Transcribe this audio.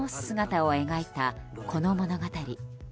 姿を描いたこの物語。